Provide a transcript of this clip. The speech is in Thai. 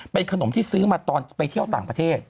เป็นขนมที่ซื้อมาตอนไปเที่ยวต่างประเทศ